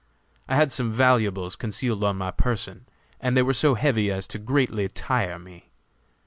I had some valuables concealed on my person, and they were so heavy as to greatly tire me.